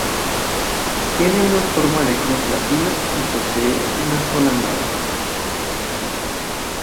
Tiene una forma de cruz latina y posee una sola nave.